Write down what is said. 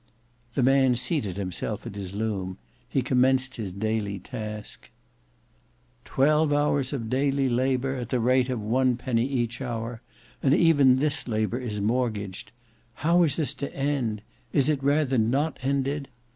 The man seated himself at his loom; he commenced his daily task. "Twelve hours of daily labour at the rate of one penny each hour; and even this labour is mortgaged! How is this to end? Is it rather not ended?"